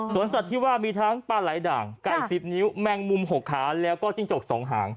สวนสัตว์ที่ว่ามีทั้งปลาไหล่ดางไก่สิบนิ้วแม่งมุมหกขาและเละก็จิ้งโจกสองหาง